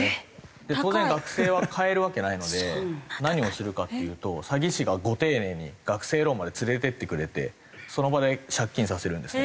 当然学生は買えるわけないので何をするかっていうと詐欺師がご丁寧に学生ローンまで連れていってくれてその場で借金させるんですね。